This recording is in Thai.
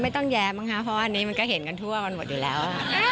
ต้องแย้มั้งค่ะเพราะว่าอันนี้มันก็เห็นกันทั่วมันหมดอยู่แล้ว